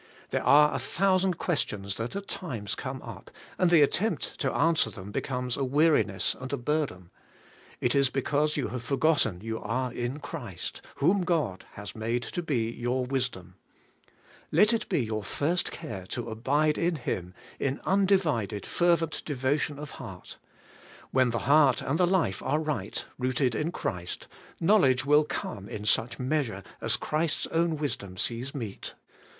There are a thousand questions that at times come up, and the attempt to answer them be comes a weariness and a burden. It is because you have forgotten you are in Christ, whom God has made to be your wisdom. Let it be your first care to abide in Him in undivided fervent devotion of heart; when the heart and the life are right, rooted in Christ, knowledge will come in such measure as Christ's own wisdom sees meet.